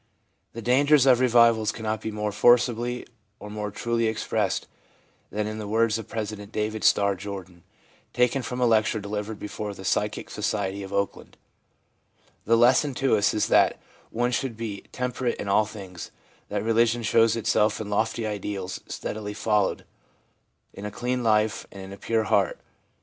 The dangers of revivals cannot be more forcibly or more truly expressed than in the words of President David Starr Jordan, taken from a lecture delivered before the Psychic Society of Oakland: — 1 The lesson to us is that one should be temperate in all things ; that religion shows itself in lofty ideals steadily followed, in a clean life, and in a pure heart.